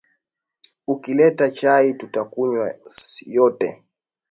Ukileta chai tutakunywa yote